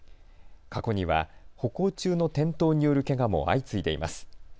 過去には歩行中の転倒によるけがも相次いでいます。